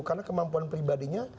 karena kemampuan pribadinya